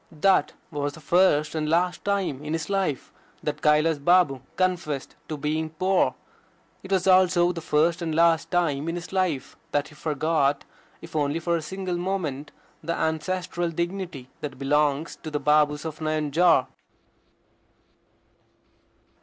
That was the first and last time in his life that Kailas Babu confessed to being poor. It was also the first and last time in his life that he forgot, if only for a single moment, the ancestral dignity that belongs to the Babus of Nayanjore.